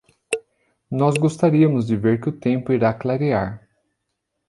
Nós gostaríamos de ver que o tempo irá clarear.